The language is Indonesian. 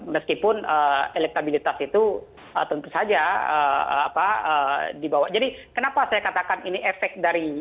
meskipun elektabilitas itu tentu saja dibawa jadi kenapa saya katakan ini efek dari